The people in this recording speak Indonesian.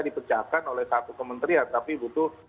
dipecahkan oleh satu kementerian tapi butuh